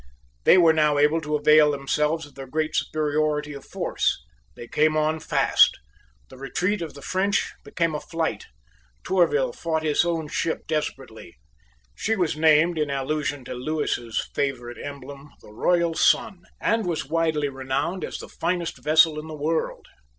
They were now able to avail themselves of their great superiority of force. They came on fast. The retreat of the French became a flight. Tourville fought his own ship desperately. She was named, in allusion to Lewis's favourite emblem, the Royal Sun, and was widely renowned as the finest vessel in the world.